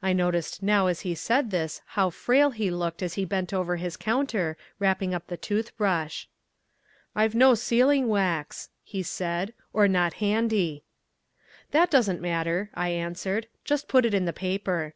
I noticed now as he said this how frail he looked as he bent over his counter wrapping up the tooth brush. "I've no sealing wax," he said, "or not handy." "That doesn't matter," I answered, "just put it in the paper."